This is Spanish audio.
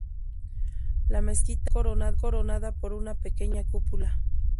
La mezquita está coronada por una pequeña cúpula.